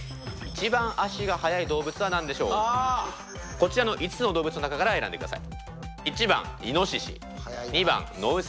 こちらの５つの動物の中から選んでください。